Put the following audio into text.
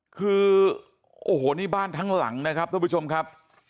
คือโอ้โหนี่บ้านทั้งหลังนะครับท่านผู้ชมครับ